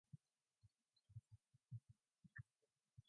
For every fruit or bone on the string he had a month to live.